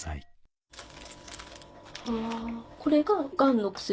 これががんの薬？